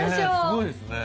すごいですね。